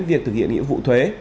việc thực hiện nghĩa vụ thuế